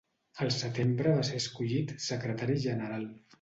El setembre va ser escollit secretari general.